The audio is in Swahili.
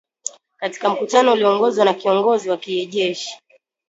katika mkutano ulioongozwa na kiongozi wa kijeshi